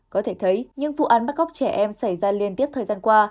có thể thấy những vụ án bắt cóc trẻ em xảy ra liên tiếp thời gian qua